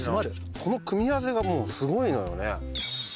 この組み合わせがもうすごいのよね。